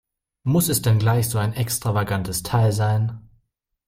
Muss es denn gleich so ein extravagantes Teil sein?